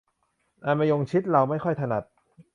อันมะยงชิดเราไม่ค่อยถนัด